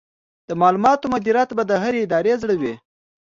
د معلوماتو مدیریت به د هرې ادارې زړه وي.